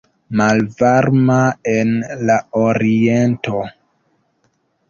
Malvarma en la oriento.